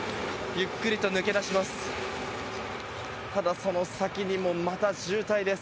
ゆっくりと抜け出します。